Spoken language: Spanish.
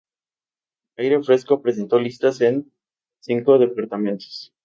Aire Fresco presentó listas en cinco departamentos.